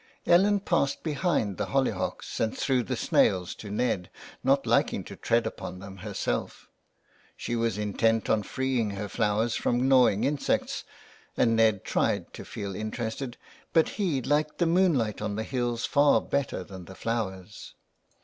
327 THE WILD GOOSE. Ellen passed behind the hollyhocks and threw the snails to Ned, not liking to tread upon them herself; she was intent on freeing her flowers from gnawing insects and Ned tried to feel interested, but he liked the moonlight on the hills far better than the flowers.